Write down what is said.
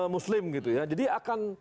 muslim gitu ya jadi akan